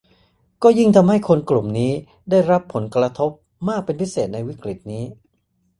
ก็ยิ่งทำให้คนกลุ่มนี้ได้รับผลกระทบมากเป็นพิเศษในวิกฤตนี้